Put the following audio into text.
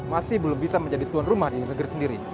masih belum bisa menjadi tuan rumah di negeri sendiri